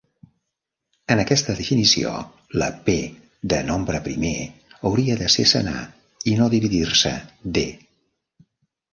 En aquesta definició, la "p" de nombre primer hauria de ser senar i no dividir-se "D".